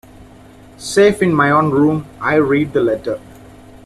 Safe in my own room, I read the letter.